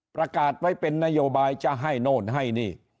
ประกาศไว้เป็นนโยบายจะให้โน่นให้นี่